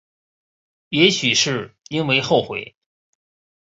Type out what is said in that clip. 也许是因为后悔